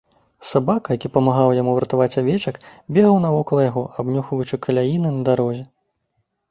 Сабака, які памагаў яму вартаваць авечак, бегаў навокал яго, абнюхваючы каляіны на дарозе.